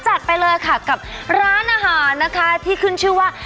ไปเลยค่ะกับร้านอาหารนะคะที่ขึ้นชื่อว่า